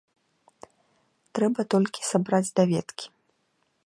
Трэба толькі сабраць даведкі.